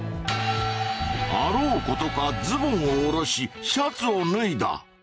あろうことかズボンを下ろしシャツを脱いだ。